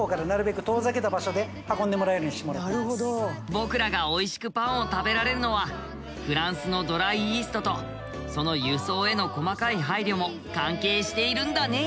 僕らがおいしくパンを食べられるのはフランスのドライイーストとその輸送への細かい配慮も関係しているんだね。